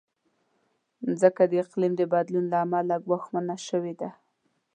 مځکه د اقلیم د بدلون له امله ګواښمنه شوې ده.